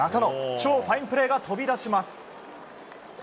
超ファインプレーが飛び出します。